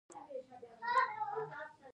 آیا طبیعي رنګونه کارول کیږي؟